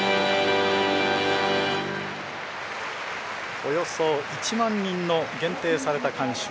およそ１万人の限定された観衆。